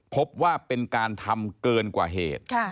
พบว่าเป็นการทำเกินกว่าเหตุ